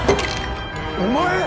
お前！